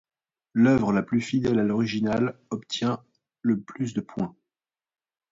L'œuvre la plus fidèle à l'originale obtient le plus de points.